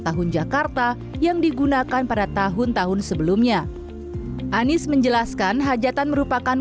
tahun jakarta yang digunakan pada tahun tahun sebelumnya anies menjelaskan hajatan merupakan